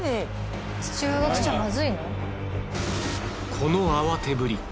この慌てぶり。